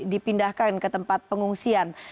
dipindahkan ke tempat pengungsian